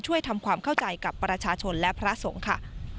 ทำความเข้าใจกับประชาชนและพระสงฆ์ค่ะ